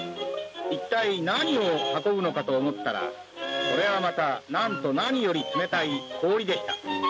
一体何を運ぶのかと思ったらこれはまたなんと何より冷たい氷でした。